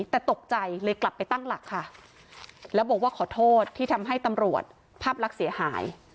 แต่ตกใจเลยกลับไปตั้งหลักค่ะแล้วบอกว่าขอโทษที่ทำให้ตำรวจภาพลักษณ์เสียหาย